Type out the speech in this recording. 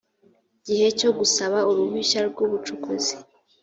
gihe cyo gusaba uruhushya rw ubucukuzi